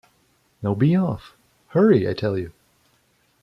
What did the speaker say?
Now be off! — Hurry, I tell you!